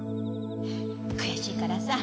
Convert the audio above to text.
悔しいからさ